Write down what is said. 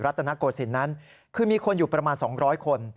ตนโกศิลป์นั้นคือมีคนอยู่ประมาณ๒๐๐คน